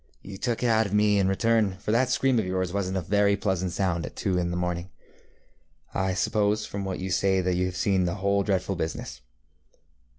ŌĆ£You took it out of me in return, for that scream of yours wasnŌĆÖt a very pleasant sound at two in the morning. I suppose from what you say that you have seen the whole dreadful business.